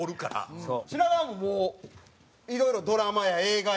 品川ももういろいろドラマや映画や。